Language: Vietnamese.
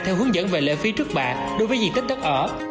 theo hướng dẫn về lệ phí trước bạ đối với diện tích đất ở